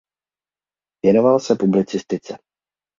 Věnoval se publicistice.